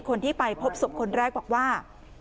คนที่ไปพบศพคนแรกบอกว่า